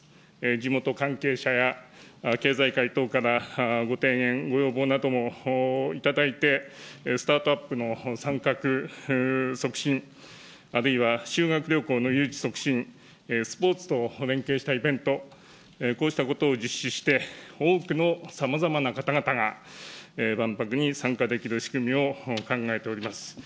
地元関係者や経済界等からご提言、ご要望なども頂いて、スタートアップの参画促進、あるいは修学旅行の誘致促進、スポーツ等連携したイベント、こうしたことを実施して、多くのさまざまな方々が万博に参加できる仕組みを考えております。